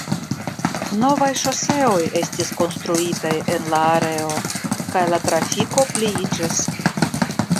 Novaj ŝoseoj estis konstruitaj en la areo kaj la trafiko pliiĝis.